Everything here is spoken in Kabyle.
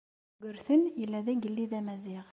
Yugurten yella d agellid amaziɣ.